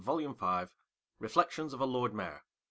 [i'lUCE 2d. REFLECTIONS OF A LORD MAYOR.